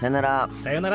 さよなら。